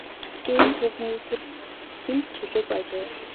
Гэхдээ энэ түүхийг тэр хэнд ч хэлээгүй ажээ.